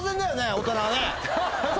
大人はね！